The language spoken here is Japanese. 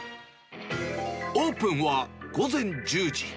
オープンは午前１０時。